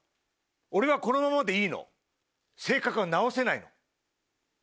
俺はこのままでいいの性格は直せないの。